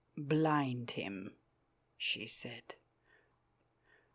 "Blind him!" she said.